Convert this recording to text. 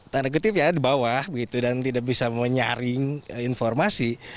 tanda kutip ya di bawah dan tidak bisa menyaring informasi